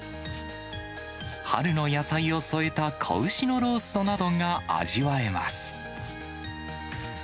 春の野菜を添えた子牛のローストなどが味わえます。